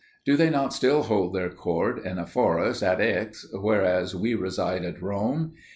do they not still hold their court in a forest at Aix, whereas we reside at Rome?